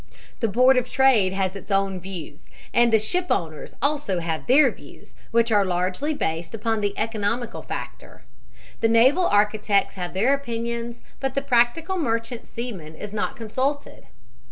"The Board of Trade has its own views, and the shipowners also have their views, which are largely based upon the economical factor. The naval architects have their opinions, but the practical merchant seaman is not consulted.